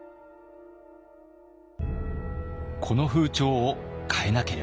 この風潮を変えなければ！